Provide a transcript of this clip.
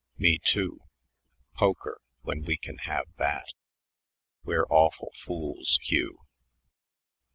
"Me, too. Poker when we can have that! We're awful fools, Hugh."